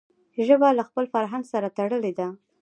ژبه له خپل فرهنګ سره تړلي ده.